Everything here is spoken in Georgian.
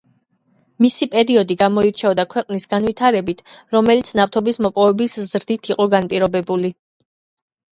მისი პერიოდი გამოირჩეოდა ქვეყნის განვითარებით, რომელიც ნავთობის მოპოვების ზრდით იყო განპირობებული.